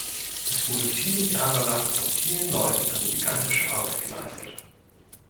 Es wurde viele Jahre lang von vielen Leuten eine gigantische Arbeit geleistet.